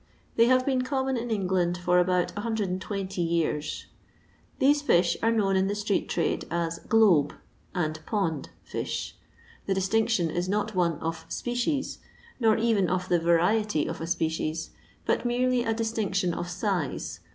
They have been common in England for aboat ISO years. These fish are known in the stroet4ade as "globe" and "pond" fish. The distioetaoii is not one of species, nor even of the "variety" of a species, but merely a distinction of siae.